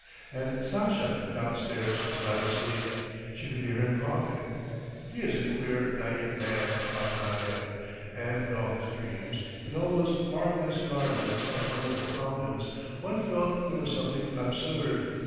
And Sasha downstairs was not asleep, she could hear him coughing. He is a queer, naïve man, thought Nadya, and in all his dreams, in all those marvellous gardens and wonderful fountains one felt there was something absurd.